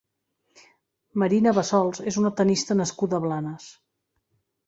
Marina Bassols és una tennista nascuda a Blanes.